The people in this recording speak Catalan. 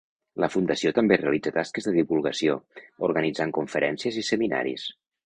La fundació també realitza tasques de divulgació, organitzant conferències i seminaris.